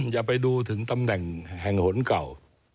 อย่าไปดูถึงตำแหน่งแห่งหนเก่า